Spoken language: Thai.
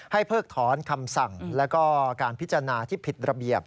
ให้เพิกท้อนคำสั่งและการพิจารณาที่ผิดระเบียบ